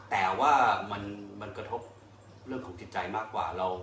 แต่ว่ามันกระทบเรื่องของจิตใจมากกว่า